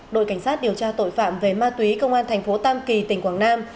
đội cảnh sát điều tra tội phạm về ma túy công an thành phố tam kỳ tỉnh quảng nam